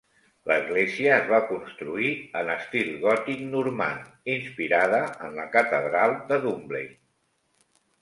L'església es va construir en estil gòtic normand, inspirada en la catedral de Dunblane.